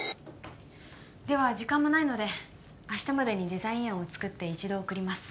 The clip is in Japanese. では時間もないので明日までにデザイン案を作って一度送ります